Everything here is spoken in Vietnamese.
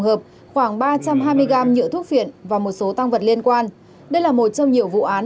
hợp khoảng ba trăm hai mươi gam nhựa thuốc phiện và một số tăng vật liên quan đây là một trong nhiều vụ án